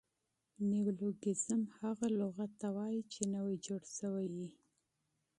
نیولوګیزم هغه لغت ته وایي، چي نوي جوړ سوي يي.